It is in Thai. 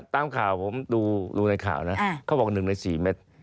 ตามข่าวผมดูในข่าวนะเขาบอก๑ใน๔เมตร